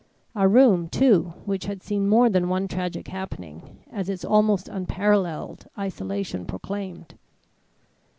A room, too, which had seen more than one tragic happening, as its almost unparalleled isolation proclaimed.